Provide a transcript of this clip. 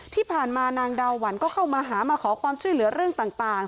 ที่ผ่านมานางดาวหวันก็เข้ามาหามาขอความช่วยเหลือเรื่องต่าง